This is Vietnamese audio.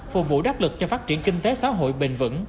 phục vụ đắc lực cho phát triển kinh tế xã hội bền vững